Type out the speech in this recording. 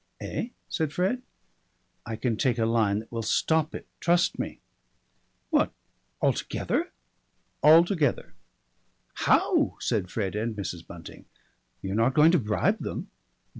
"Eh?" said Fred. "I can take a line that will stop it, trust me." "What, altogether?" "Altogether." "How?" said Fred and Mrs. Bunting. "You're not going to bribe them!"